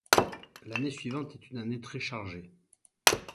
L'année suivante est une année très chargée.